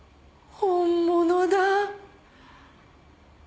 本物だ。